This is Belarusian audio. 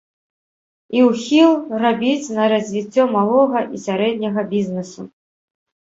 І ўхіл рабіць на развіццё малога і сярэдняга бізнесу.